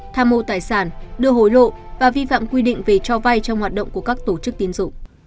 tham mô tài sản đưa hối lộ và vi phạm quy định về cho vay trong hoạt động của các tổ chức tiến dụng